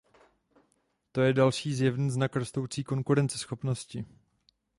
To je další, zjevný znak rostoucí konkurenceschopnosti.